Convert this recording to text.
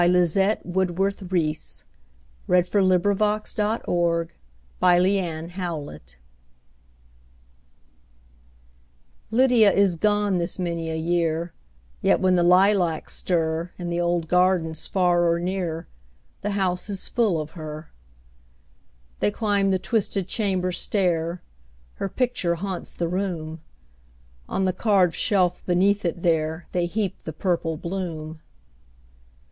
Lizette Woodworth Reese Lydia is gone this many a year LYDIA is gone this many a year, Yet when the lilacs stir, In the old gardens far or near, The house is full of her. They climb the twisted chamber stair; Her picture haunts the room; On the carved shelf beneath it there, They heap the purple bloom.